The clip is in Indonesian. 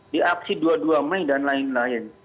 di aksi dua puluh dua mei dan lain lain